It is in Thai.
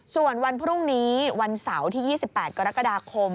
ส่วนวันพรุ่งนี้วันเสาร์ที่๒๘กรกฎาคม